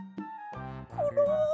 コロ！？